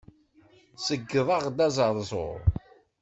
Ṣeyydeɣ-d azeṛzuṛ.